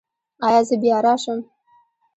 ایا زه بیا راشم؟